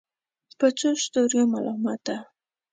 په څو ستورو ملامته